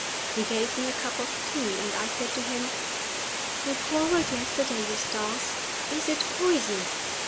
He gave me a cup of tea; and I said to him, "We quarreled yesterday, Eustace. Is it poisoned?"